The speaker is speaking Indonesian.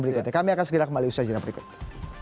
berikutnya kami akan segera kembali usaha jenis berikutnya